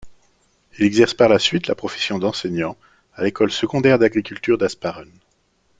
Il exerce par la suite la profession d'enseignant à l'école secondaire d'agriculture d'Hasparren.